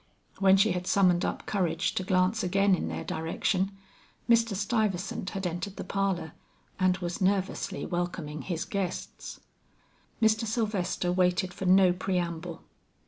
When she had summoned up courage to glance again in their direction, Mr. Stuyvesant had entered the parlor and was nervously welcoming his guests. Mr. Sylvester waited for no preamble.